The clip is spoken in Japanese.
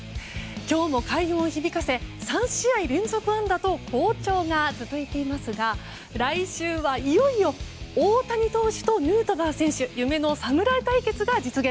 今日も快音を響かせ３試合連続安打と好調が続いていますが来週はいよいよ大谷投手とヌートバー選手夢の侍対決が実現。